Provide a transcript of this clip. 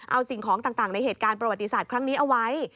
เอาสิ่งของต่างในเหตุการณ์ประวัติศาสตร์ครั้งนี้เอาไว้